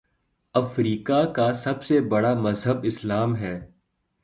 افریقہ کا سب سے بڑا مذہب اسلام ہے